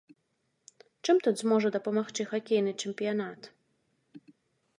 Чым тут зможа дапамагчы хакейны чэмпіянат?